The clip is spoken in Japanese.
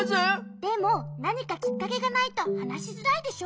でも何かきっかけがないと話しづらいでしょ？